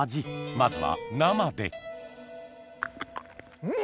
まずは生でん！